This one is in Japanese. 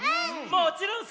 もちろんさ！